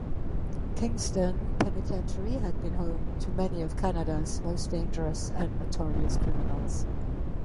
Kingston Penitentiary had been home to many of Canada's most dangerous and notorious criminals.